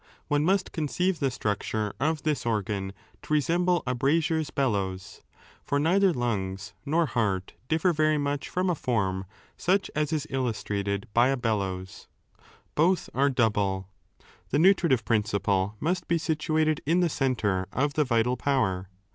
One must conceive the structure of this organ to resemble a brazier's bellows. For neither lungs nor heart differ very much from a form such as is illustrated by a bellows. Both are double.^ The nutritive principle must be situated in the centre of the vital power.